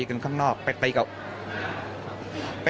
ลูกตอบว่าได้แน่นี่ค่ะก่อนเกิดเหตุวันสองวันไปนอนกอดพ่อแม่